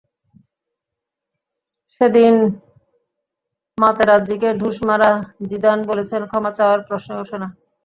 সেদিন মাতেরাজ্জিকে ঢুস মারা জিদান বলেছেন, ক্ষমা চাওয়ার প্রশ্নই ওঠে না।